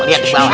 lihat ke bawah